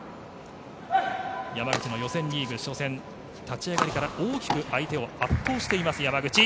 山口の予選リーグ初戦立ち上がりから大きく相手を圧倒しています山口。